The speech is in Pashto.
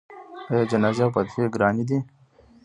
آیا جنازې او فاتحې ګرانې دي؟